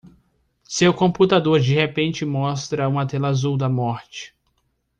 Seu computador de repente mostra uma tela azul da morte.